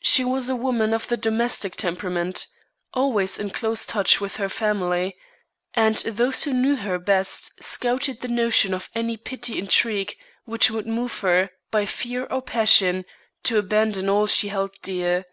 She was a woman of the domestic temperament, always in close touch with her family, and those who knew her best scouted the notion of any petty intrigue which would move her, by fear or passion, to abandon all she held dear.